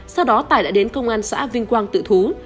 sau đó tài đã đến công an xã vinh quang tự thú